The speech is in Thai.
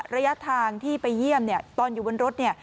ระยะทางที่ไปเยี่ยมตอนอยู่บนรถเนี่ย